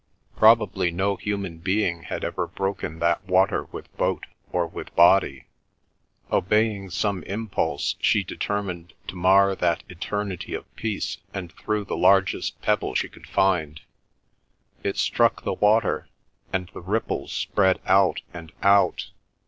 Probably no human being had ever broken that water with boat or with body. Obeying some impulse, she determined to mar that eternity of peace, and threw the largest pebble she could find. It struck the water, and the ripples spread out and out.